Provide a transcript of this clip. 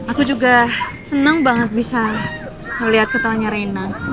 aku juga senang banget bisa melihat ketawanya reina